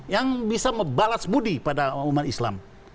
yang bisa membalas budi pada umat islam